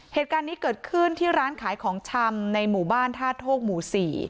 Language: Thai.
เหตุการณ์นี้เกิดขึ้นที่ร้านขายของชำในหมู่บ้านท่าโทกหมู่๔